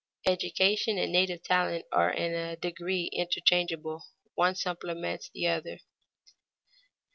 Education and native talent are in a degree interchangeable; one supplements the other.